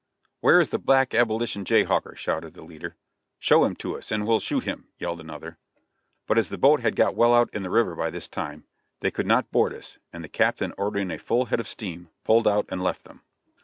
"Where is the black abolition jay hawker?" shouted the leader. "Show him to us, and we'll shoot him," yelled another. But as the boat had got well out in the river by this time, they could not board us, and the captain ordering a full head of steam, pulled out and left them.